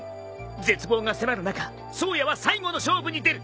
絶望が迫る中颯也は最後の勝負に出る。